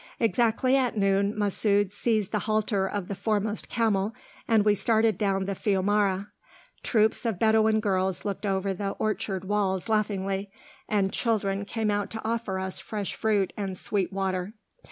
Exactly at noon Masud seized the halter of the foremost camel, and we started down the fiumara. Troops of Bedouin girls looked over the orchard walls laughingly, and children came out to offer us fresh fruit and sweet water.